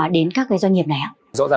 đến các doanh nghiệp này ạ